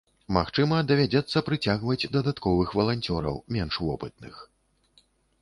Магчыма, давядзецца прыцягваць дадатковых валанцёраў, менш вопытных.